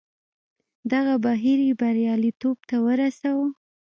دغه بهیر یې بریالیتوب ته ورساوه.